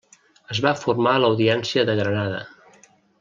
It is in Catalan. Es va formar l'Audiència de Granada.